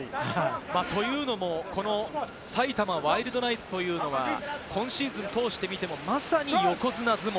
というのも埼玉ワイルドナイツというのは、今シーズンを通して見ても、まさに横綱相撲。